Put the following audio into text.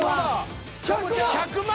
１００万！